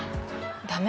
ダメ！